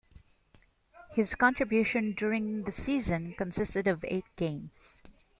His contribution during the season consisted of eight games.